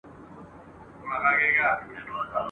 یا مي لور په نکاح ومنه خپل ځان ته ..